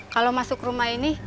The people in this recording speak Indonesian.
kalau masuk rumah ini